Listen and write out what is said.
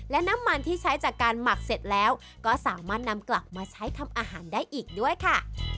และน้ำมันที่ใช้จากการหมักเสร็จแล้วก็สามารถนำกลับมาใช้ทำอาหารได้อีกด้วยค่ะ